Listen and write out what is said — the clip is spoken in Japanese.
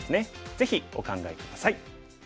ぜひお考え下さい。